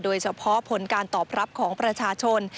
โดยเฉพาะผลการตอบรับของประชาชน